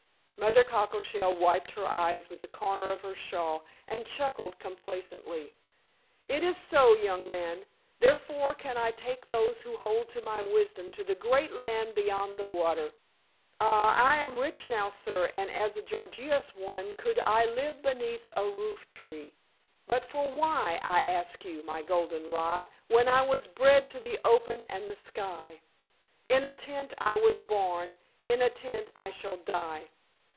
Mother Cockleshell wiped her eyes with a corner of her shawl and chuckled complacently. "It is so, young man, therefore can I take those who hold to my wisdom to the great land beyond the water. Ah, I am rich now, sir, and as a Gorgious one could I live beneath a roof tree. But for why, I asks you, my golden rye, when I was bred to the open and the sky? In a tent I was born; in a tent I shall die.